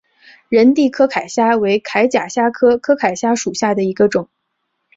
仁娣柯铠虾为铠甲虾科柯铠虾属下的一个种。